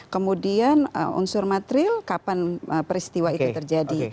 kemudian unsur material kapan peristiwa itu terjadi